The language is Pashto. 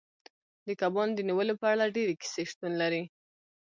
د کبانو د نیولو په اړه ډیرې کیسې شتون لري